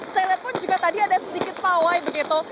saya lihat pun juga tadi ada sedikit pawai begitu